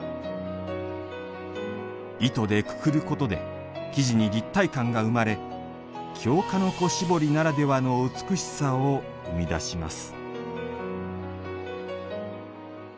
糸でくくることで生地に立体感が生まれ京鹿の子絞りならではの美しさを生み出します。